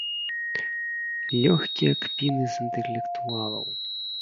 Лёгкія кпіны з інтэлектуалаў.